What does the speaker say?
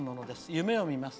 夢を見ます。